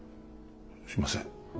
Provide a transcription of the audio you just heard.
すいません。